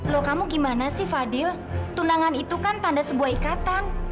loh kamu gimana sih fadil tunangan itu kan tanda sebuah ikatan